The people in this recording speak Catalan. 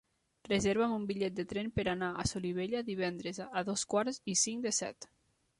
Reserva'm un bitllet de tren per anar a Solivella divendres a dos quarts i cinc de set.